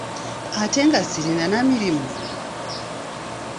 Ate nga sirina na mirimu?